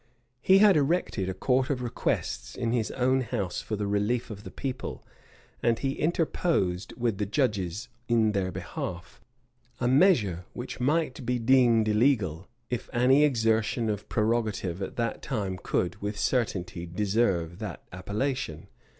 He had erected a court of requests in his own house for the relief of the people,[*] and he interposed with the judges in their behalf; a measure which might be deemed illegal, if any exertion of prerogative at that time could with certainty deserve that appellation.